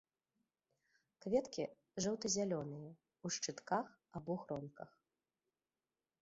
Кветкі жоўта-зялёныя ў шчытках або гронках.